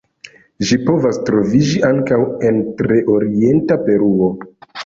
Ĝi povas troviĝi ankaŭ en tre orienta Peruo.